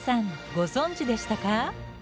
ご存じでしたか？